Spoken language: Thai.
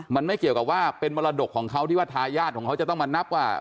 มันไม่เกี่ยวกับว่าเป็นมรดกของเขาที่ว่าทายาทของเขาจะต้องมานับว่า